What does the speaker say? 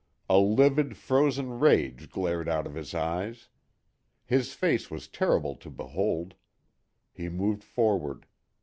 A livid, frozen rage glared out of his eyes. His face was terrible to behold. He moved forward.